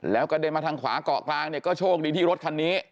แล้วกระเด็นมาทางขวาเกาะกลางเนี่ยก็โชคดีที่รถคันนี้